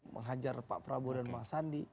menghajar pak prabowo dan bang sandi